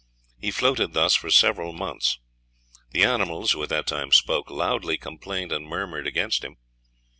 He floated thus for several months. The animals, who at that time spoke, loudly complained and murmured against him.